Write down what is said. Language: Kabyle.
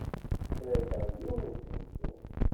Ssefrakeɣ yiwen n usensu.